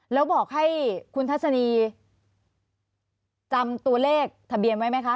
แล้วบอกให้คุณทัศนีจำตัวเลขทะเบียนไว้ไหมคะ